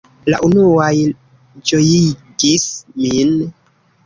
La unuaj ĝojigis min.